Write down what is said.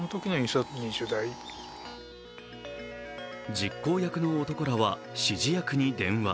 実行役の男らは指示役に電話。